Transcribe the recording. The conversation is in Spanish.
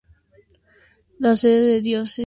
La sede de la Diócesis es la Catedral de San Pedro.